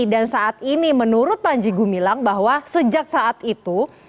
dan saat ini menurut panji gumilang bahwa sejak saat itu